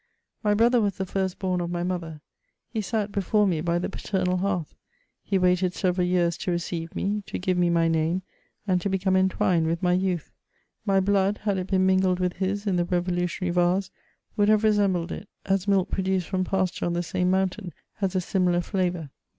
My brother was the first bom of my mother ; he sat before me by the paternal hearth; he waited several years to receive me, to kve me my name, and to become entwined with mv youth. Mv blood, bad it been mingled with his in the revdutionaiy vase would have resembled it, as milk produced from pasture on the same mountain has a similar flavour.